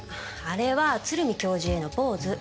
あれは鶴見教授へのポーズ。